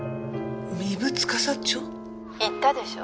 「言ったでしょ。